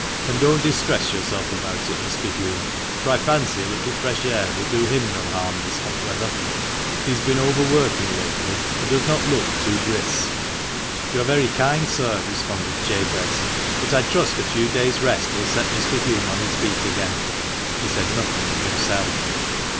And don't distress yourself about it, Mr. Hulme, for I fancy a little fresh air will do him no harm this hot weather ; he has been overworking lately, and does not look too brisk." "You are very kind, sir," responded Jabez, "but I trust a few days' rest will set Mr. Hulme on his feet again." He said nothing of himself.